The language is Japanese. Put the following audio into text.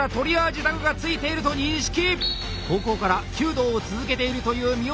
高校から弓道を続けているという三好。